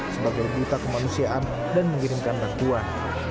sebagai berita kemanusiaan dan mengirimkan bantuan